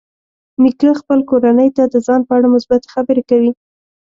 نیکه خپل کورنۍ ته د ځان په اړه مثبتې خبرې کوي.